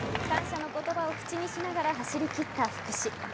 感謝の言葉を口にしながら走りきった福士。